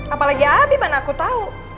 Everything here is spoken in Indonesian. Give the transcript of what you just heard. apalagi abi mana aku tau